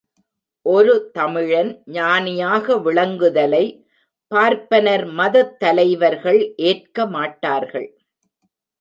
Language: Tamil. ஒரு தமிழன் ஞானியாக விளங்குதலை பார்ப்பனர் மதத் தலைவர்கள் ஏற்கமாட்டார்கள்.